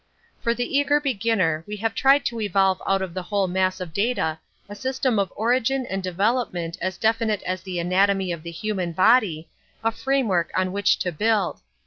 For the eager beginner we have tried to evolve out of the whole mass of data a system of origin and development as definite as the anatomy of the human body, a framework on which to build.